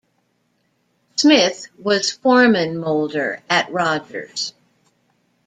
Smith was foreman moulder at Rogers.